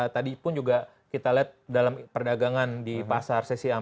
tadi pun juga kita lihat dalam perdagangan di pasar